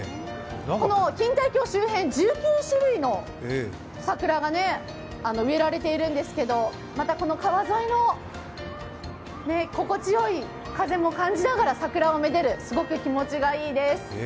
錦帯橋周辺、１９種類の桜が植えられているんですけれどもまた川沿いの心地よい風も感じながら桜をめでる、すごく気持ちがいいです。